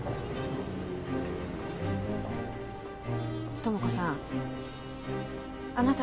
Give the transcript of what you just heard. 友子さんあなた